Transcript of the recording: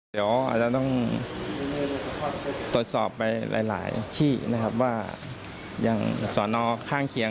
เดี๋ยวอาจจะต้องตรวจสอบไปหลายที่นะครับว่าอย่างสอนอข้างเคียง